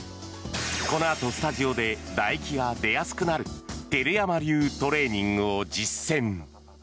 このあとスタジオでだ液が出やすくなる照山流トレーニングを実践。